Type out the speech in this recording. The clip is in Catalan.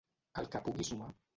El que pugui sumar.